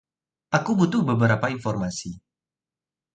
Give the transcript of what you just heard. Aku butuh beberapa informasi.